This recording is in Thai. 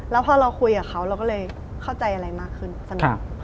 แล้วพอเราคุยกับเขาเราก็เลยเข้าใจอะไรมากขึ้นสนุก